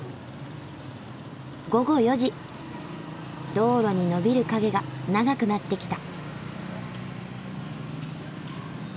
道路に伸びる影が長くなってきた。